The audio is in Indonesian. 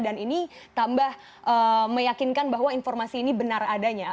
dan ini tambah meyakinkan bahwa informasi ini benar adanya